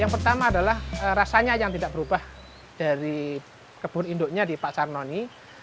yang pertama adalah rasanya yang tidak berubah dari kebun induknya di pak sarnoni